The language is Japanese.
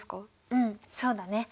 うんそうだね。